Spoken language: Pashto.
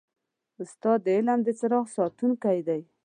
استاد د علم د څراغ ساتونکی دی.